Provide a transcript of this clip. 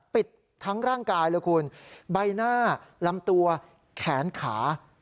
ปิดทั้งร่างกายเลยคุณใบหน้าลำตัวแขนขา